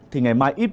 thì ngày mai không mưa